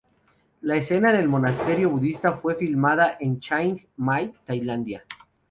La escena en el monasterio budista fue filmada en Chiang Mai, Tailandia.